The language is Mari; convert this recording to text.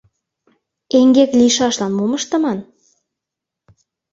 ЭҤГЕК ЛИЙШАШЛАН МОМ ЫШТЫМАН